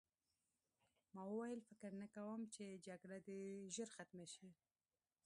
ما وویل فکر نه کوم چې جګړه دې ژر ختمه شي